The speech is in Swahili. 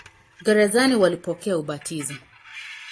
Gerezani walipokea ubatizo.